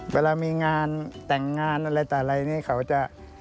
เวลามีงานแต่งงานอะไรนี่เขาจะ